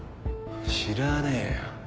知らねえよ。